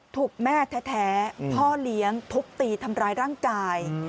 ถูกแม่แท้พ่อเลี้ยงทุบตีทำร้ายร่างกาย